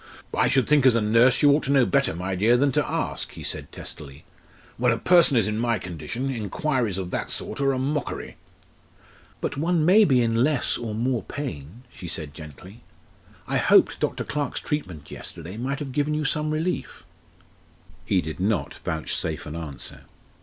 "I should think as a nurse you ought to know better, my dear, than to ask," he said testily. "When a person is in my condition, enquiries of that sort are a mockery!" "But one may be in less or more pain," she said gently. "I hoped Dr. Clarke's treatment yesterday might have given you some relief." He did not vouchsafe an answer.